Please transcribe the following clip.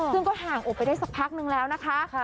ซึ่งก็ห่างออกไปได้สักพักนึงแล้วนะคะ